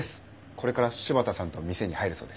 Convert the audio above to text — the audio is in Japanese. これから柴田さんと店に入るそうです。